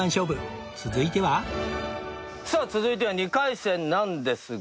続いてはさあ続いては２回戦なんですが。